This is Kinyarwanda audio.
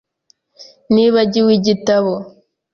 Nibagiwe igitabo .